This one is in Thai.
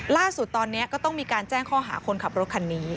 ล่าสุดตอนนี้ก็ต้องมีการแจ้งข้อหาคนขับรถคันนี้